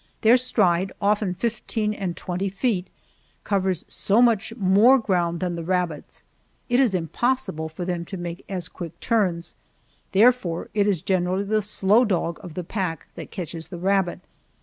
Their stride often fifteen and twenty feet covers so much more ground than the rabbit's, it is impossible for them to make as quick turns, therefore it is generally the slow dog of the pack that catches the rabbit.